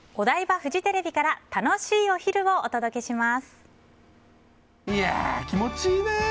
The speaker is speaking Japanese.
フジテレビから楽しいお昼をお届けします！